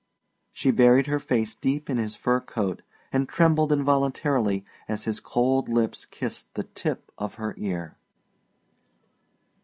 She buried her face deep in his fur coat and trembled involuntarily as his cold lips kissed the tip of her ear.